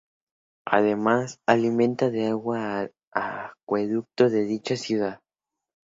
Además, alimenta de agua al acueducto de dicha ciudad.